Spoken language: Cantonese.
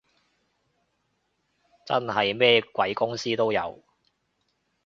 真係咩鬼公司都有